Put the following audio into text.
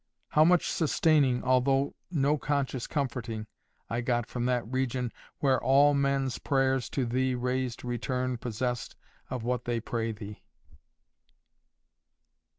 How much sustaining, although no conscious comforting, I got from that region "Where all men's prayers to Thee raised Return possessed of what they pray Thee."